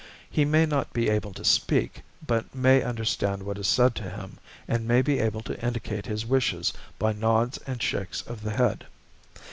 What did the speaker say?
He may not be able to speak, but may understand what is said to him, and may be able to indicate his wishes by nods and shakes of the head.